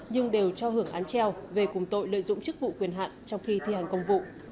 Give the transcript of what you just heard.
nhưng đều cho hưởng án treo về cùng tội lợi dụng chức vụ quyền hạn trong khi thi hành công vụ